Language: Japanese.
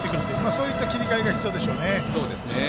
そういった切り替えが必要でしょうね。